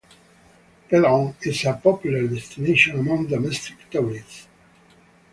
Pedong is a popular destination among domestic tourists.